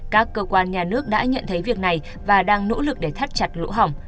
các cơ quan nhà nước đã nhận thấy việc này và đang nỗ lực để thắt chặt lỗ hỏng